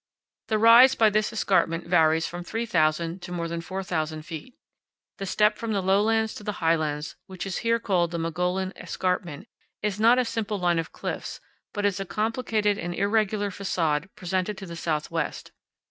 The rise by this escarpment varies from 3,000 to more than 4,000 feet. The step from the lowlands to the highlands which is here called the Mogollon Escarpment is not a simple line of cliffs, but is a complicated and irregular facade presented to the southwest.